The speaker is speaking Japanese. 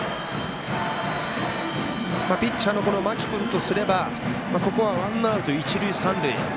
ピッチャーの間木君とすればワンアウト、一塁三塁。